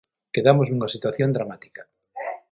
Quedamos nunha situación dramática.